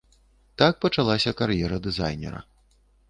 Так пачалася кар'ера дызайнера.